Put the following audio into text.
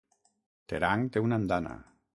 Terang té una andana.